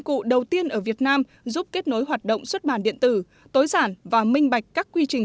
cụ đầu tiên ở việt nam giúp kết nối hoạt động xuất bản điện tử tối giản và minh bạch các quy trình